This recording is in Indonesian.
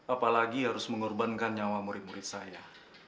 apalagi harus mengorbankan nyawa murid murid saya